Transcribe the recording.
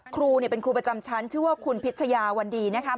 ครูเป็นครูประจำชั้นชื่อว่าคุณพิชยาวันดีนะครับ